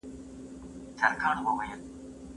زه مخکي مځکي ته کتلې وې!.